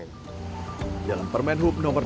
berat sangat berat untuk sekarang ini